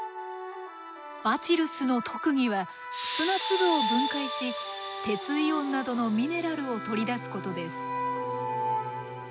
バチルスの特技は砂粒を分解し鉄イオンなどのミネラルを取り出すことです。